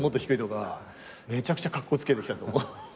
めちゃくちゃカッコつけてきたと思う。